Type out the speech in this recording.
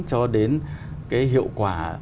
cho đến cái hiệu quả